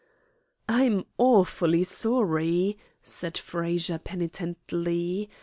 "I'm awfully sorry," said Frazer penitently.